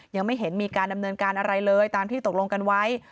ยังไม่เห็นมีการดำเนินการอะไรเลยตามที่ตกลงกันไว้